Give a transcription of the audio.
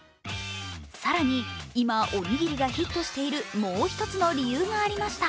更に今、おにぎりがヒットしているもう一つの理由がありました。